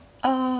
ああ。